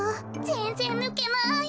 ぜんぜんぬけない。